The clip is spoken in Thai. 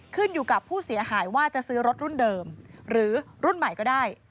ขึ้นอยู่กับผู้เสียหายว่าจะซื้อรถรุ่นเดิมหรือรุ่นใหม่ก็ได้